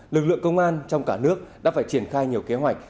lực lượng công an trong cả nước đã phải triển khai nhiều kế hoạch